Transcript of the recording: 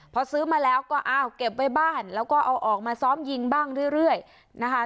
พอซื้อมาแล้วก็อ้าวเก็บไว้บ้านแล้วก็เอาออกมาซ้อมยิงบ้างเรื่อยนะคะ